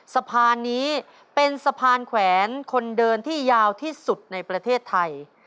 สะพานนี้เป็นสะพานแขวนคนเดินที่ยาวที่สุดในประเทศไทย